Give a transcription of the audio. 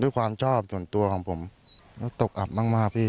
ด้วยความชอบส่วนตัวของผมก็ตกอับมากพี่